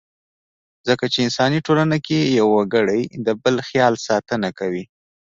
ځکه چې انساني ټولنه کې يو وګړی د بل خیال ساتنه کوي.